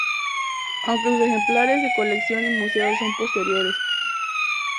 Aunque sus ejemplares de colecciones y museos sean posteriores.